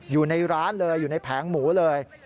อยู่ในร้านเลยอยู่ในแผงหมูเลย